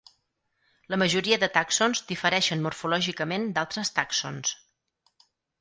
La majoria de tàxons difereixen morfològicament d'altres tàxons.